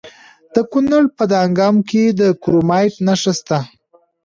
د کونړ په دانګام کې د کرومایټ نښې شته.